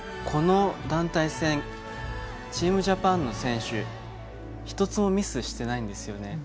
この団体戦チームジャパンの選手１つもミスしていないんですよね。